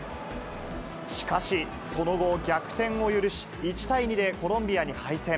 しかし、その後、逆転を許し、１対２でコロンビアに敗戦。